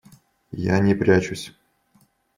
Я не прячусь.